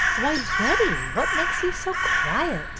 "Why, Betty, what makes you so quiet?